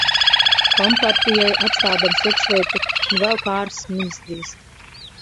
Kompartijai atstādams iekšlietu un vēl pārs ministrijas.